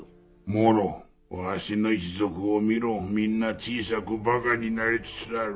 モロわしの一族を見ろみんな小さくバカになりつつある。